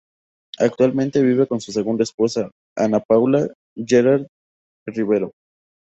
Actualmente vive con su segunda esposa, Ana Paula Gerard Rivero.